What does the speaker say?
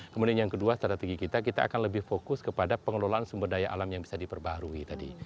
kemudian yang kedua strategi kita kita akan lebih fokus kepada pengelolaan sumber daya alam yang bisa diperbarui tadi